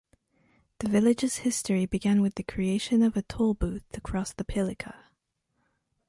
The village’s history began with the creation of a toll booth to cross the Pilica.